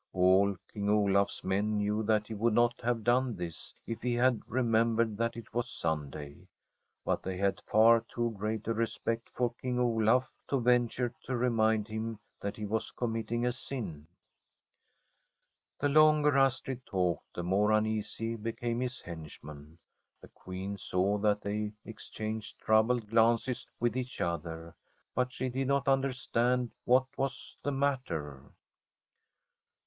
All King Olafs men knew that he would not have done this if he had remembered that it was Sunday; but they had far too great a respect for King Olaf to venture to remind him that he was committing a sin. The longer Astrid talked, the more uneasy be came his henchmen. The Queen saw that they exchanged troubled glances with each other, but she did not understand what was the matter.